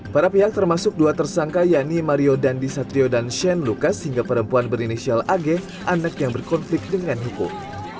para pihak termasuk dua tersangka yakni mario dandisatrio dan shane lucas hingga perempuan berinisial ag anak yang berkonflik dengan hukum